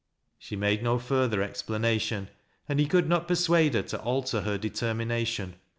She made no further explanation, and he could not per iaade her to alter her determination.